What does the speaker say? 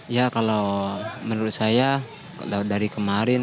ya kalau menurut saya dari kemarin